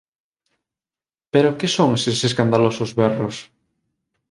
Pero que son eses escandalosos berros?